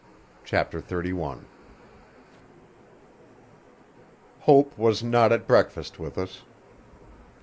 Chapter 31 Hope was not at breakfast with us.